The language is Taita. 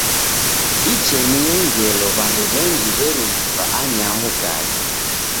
Icheniyo ngelo w'andu w'engi w'erughilwa anyaho Gaza.